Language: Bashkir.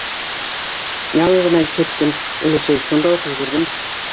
Яңы ғына ишеттем, өләсәй, шунда уҡ йүгерҙем.